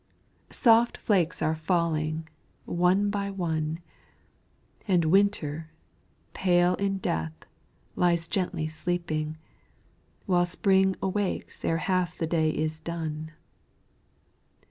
soft flakes are falling, one by one, And Winter, pale in death, lies gently sleeping, While Spring awakes e'er half the day is done.